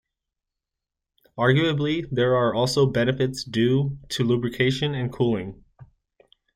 Arguably there are also benefits due to lubrication and cooling.